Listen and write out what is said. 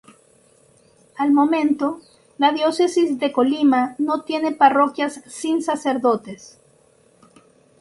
Al momento, la Diócesis de Colima no tiene parroquias sin sacerdotes.